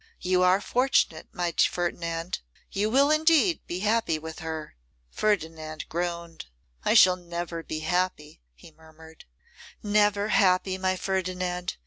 You are fortunate, my Ferdinand: you will indeed be happy with her.' Ferdinand groaned. 'I shall never be happy,' he murmured. 'Never happy, my Ferdinand!